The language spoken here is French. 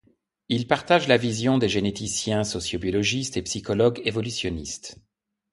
Il partage la vision des généticiens, socio-biologistes et psychologues évolutionnistes.